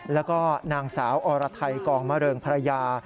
แล้วก็นางสาวอรไทยกองมะเริงภรรยา